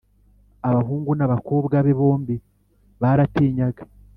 abahungu n,abakobwa be bombi baratinyaga